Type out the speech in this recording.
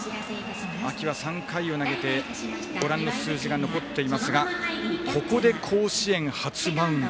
秋は３回を投げてご覧の数字が残っていますがここで甲子園初マウンド。